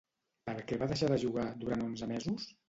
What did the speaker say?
Per què va deixar de jugar durant onze mesos?